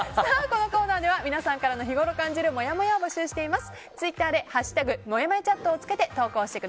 このコーナーでは皆さんの日ごろ感じるもやもやを募集しています。